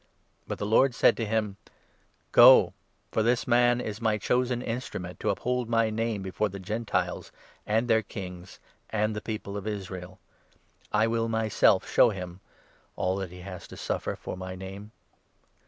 But the Lord said to him : "Go, for this man is my chosen 15 instrument to uphold my Name before the Gentiles and their kings, and the people of Israel. I will myself show him all 16 that he has to suffer for my Name."